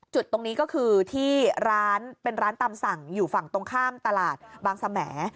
จุดตรงนี้ก็คือที่ร้านเป็นร้านตามสั่งอยู่ฝั่งตรงข้ามตลาดบางสม